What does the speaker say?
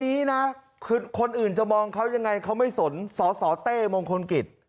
นี้นะคือคนอื่นจะมองเขายังไงเขาไม่สนสสเต้มงคลกิจ